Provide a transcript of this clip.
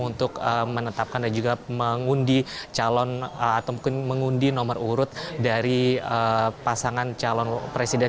untuk menetapkan dan juga mengundi calon atau mengundi nomor urut dari pasangan calon presiden